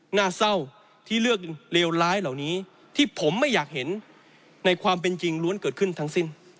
หน้าเศร้าที่เลือกเลวร้ายเหล่านี้ที่ผมไม่อยากเห็นในความเป็นจริงล้วนเกิดขึ้นทั้งสิ้น